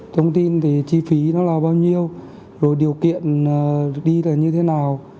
thông tin về chi phí nó là bao nhiêu rồi điều kiện đi là như thế nào